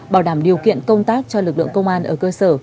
bảo đảm điều kiện công tác cho lực lượng công an ở cơ sở